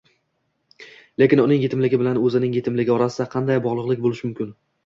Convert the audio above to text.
Lekin uning yetimligi bilan o'zining yetimligi orasida qanday bog'liqlik bo'lishi mumkin?